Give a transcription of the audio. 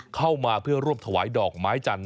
เข้ามาเพื่อร่วมถวายดอกไม้จันท